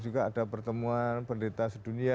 juga ada pertemuan pendeta sedunia